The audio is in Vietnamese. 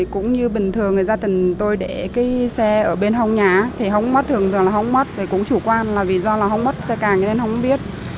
cũng như bình thường người gia đình tôi để cái xe ở bên hồng nhà thì không mất thường thường là không mất cũng chủ quan là vì do là không mất xe càng nên không biết